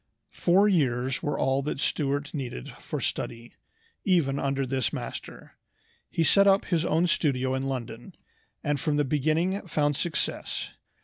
Four years were all that Stuart needed for study, even under this master. He set up his own studio in London, and from the beginning found success.